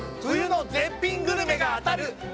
冬の絶品グルメが当たる！